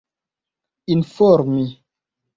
informi